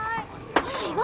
はい。